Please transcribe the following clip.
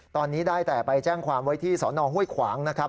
ตอนนี้ได้แต่ไปแจ้งความไว้ที่สนห้วยขวางนะครับ